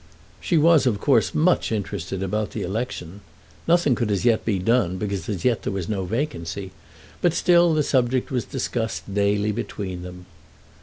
She was of course much interested about the election. Nothing could as yet be done, because as yet there was no vacancy; but still the subject was discussed daily between them.